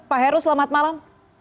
pak heru selamat malam